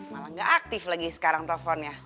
malah nggak aktif lagi sekarang teleponnya